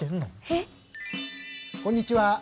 えっ？こんにちは。